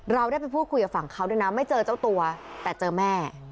เราได้ไปพูดคุยกับฝั่งเขาด้วยนะไม่เจอเจ้าตัวแต่เจอแม่